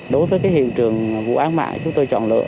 đối với cái hiện trường vụ án mạng chúng tôi chọn lựa